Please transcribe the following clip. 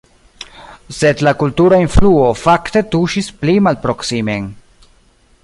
Sed la kultura influo fakte tuŝis pli malproksimen.